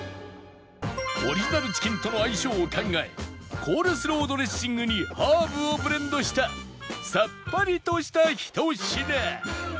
オリジナルチキンとの相性を考えコールスロードレッシングにハーブをブレンドしたさっぱりとしたひと品